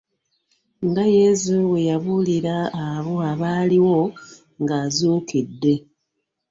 Nga Yezu bwe yabuulira abo abaaliwo ng'azuukidde.